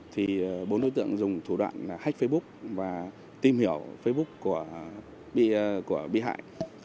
thì bốn đối tượng dùng thủ đoạn hách facebook và tìm hiểu facebook của bị hại